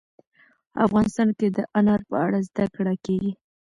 افغانستان کې د انار په اړه زده کړه کېږي.